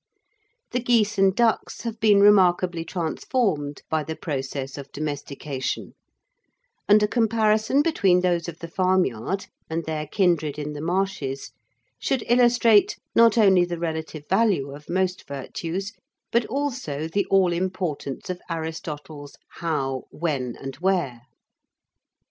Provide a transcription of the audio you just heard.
The geese and ducks have been remarkably transformed by the process of domestication, and a comparison between those of the farmyard and their kindred in the marshes should illustrate not only the relative value of most virtues, but also the all importance of Aristotle's how, when and where.